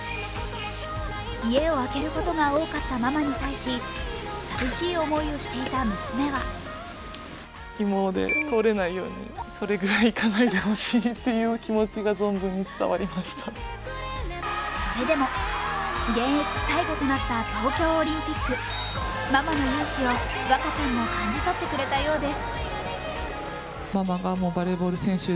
家をあけることが多かったママに対し、寂しい思いをしていた娘はそれでも現役最後となった東京オリンピックママの雄姿を和香ちゃんも感じとってくれたようです。